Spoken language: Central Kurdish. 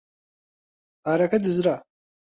پارەکە دزرا.